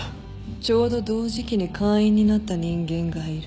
ちょうど同時期に会員になった人間がいる。